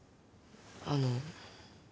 あの。